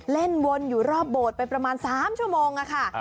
เล่นวนอยู่รอบโบสถ์ไปประมาณ๓ชั่วโมงค่ะ